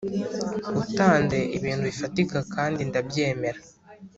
utanze. ibintu bifatika kandi ndabyemera